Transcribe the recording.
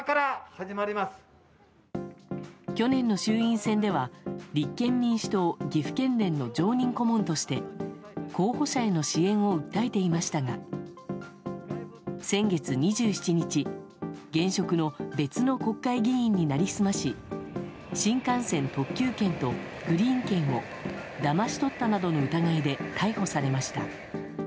去年の衆院選では立憲民主党岐阜県連の常任顧問として候補者への支援を訴えていましたが先月２７日現職の別の国会議員に成り済まし新幹線特急券とグリーン券をだまし取ったなどの疑いで逮捕されました。